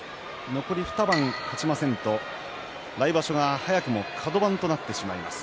残り２番勝ちませんと来場所が早くもカド番となってしまいます。